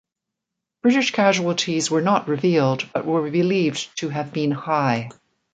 British casualties were not revealed but were believed to have been high.